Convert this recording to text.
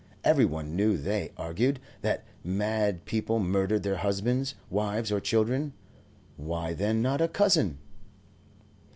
Every one knew, they argued, that mad people murder their husbands, wives, or children; why, then, not a cousin?